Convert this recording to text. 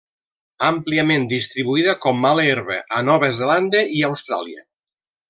Àmpliament distribuïda com mala herba a Nova Zelanda i Austràlia.